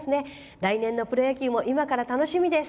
来年のプロ野球も今から楽しみです。